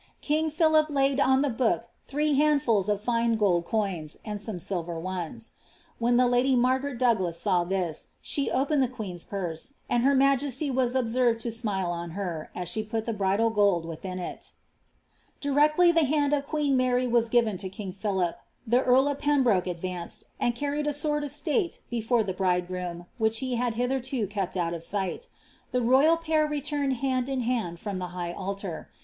^ Kkg lUf fandon the book three handfius of Itoe gold coins, and adme aiirtt dmi) When the lady Margaret Dongks saw thk, rim opened ^ qosm^ mnse, and her ma|eety was dhasrfed to knOe oa hery aa afae pal tk bridal gold within it Directly the hand of queen Maiy was given to king Philip, the euf of Pembroke advanced, and carried a sword of state before the bridegroooi. which he had hitherto kept out of sight The rc^^il pair returned hand m hand from the high altar.